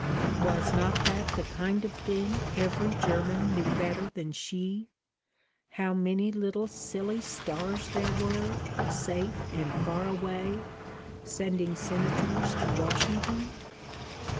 Was not that the kind of thing every German knew better than she how many little silly stars there were, safe and far away, sending senators to Washington?